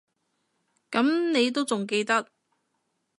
噉你都仲記得